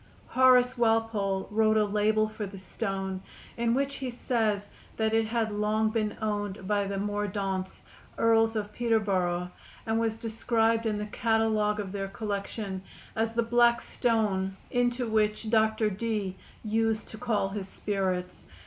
Horace Walpole wrote a label for the stone, in which he says that it had long been owned by the Mordaunts, Earls of Peterborough, and was described in the catalogue of their collection as the black stone into which Dr. Dee used to call his spirits.